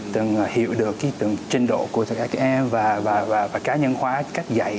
từng hiểu được cái trình độ của tất cả các em và ca nhân hóa cách dạy